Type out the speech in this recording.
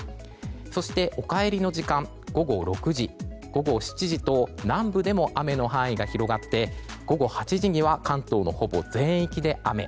そしてお帰りの時間午後６時、午後７時と南部でも雨の範囲が広がって午後８時には関東のほぼ全域で雨。